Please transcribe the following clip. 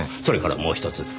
それからもう１つ。